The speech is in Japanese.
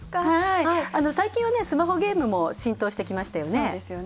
最近、スマホゲームも浸透してきましたよね。